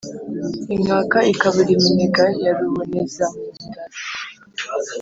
inkaka ikabura iminega ya rubonezampundaza